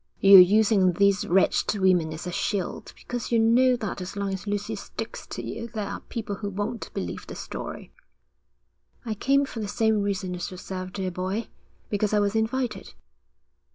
'You're using these wretched women as a shield, because you know that as long as Lucy sticks to you, there are people who won't believe the story.' 'I came for the same reason as yourself, dear boy. Because I was invited.'